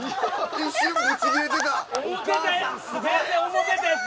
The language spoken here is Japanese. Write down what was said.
一瞬ブチギレてた。